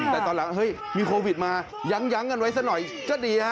แต่ตอนหลังเฮ้ยมีโควิดมายั้งกันไว้สักหน่อยก็ดีฮะ